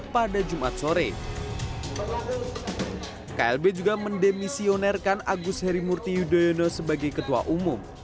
dua ribu dua puluh satu dua ribu dua puluh empat pada jumat sore klb juga mendemisionerkan agus herimurti yudhoyono sebagai ketua umum